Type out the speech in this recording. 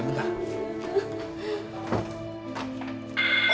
lambang gak sudah bian